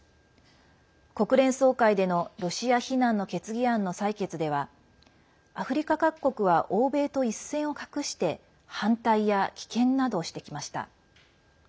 国連総会でのロシア非難の決議案の採決ではアフリカ各国は欧米と一線を画して反対や棄権などしてきました。